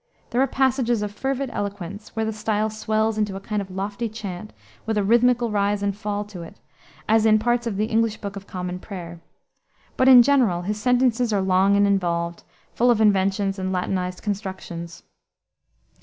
There are passages of fervid eloquence, where the style swells into a kind of lofty chant, with a rithmical rise and fall to it, as in parts of the English Book of Common Prayer. But in general his sentences are long and involved, full of inventions and latinized constructions.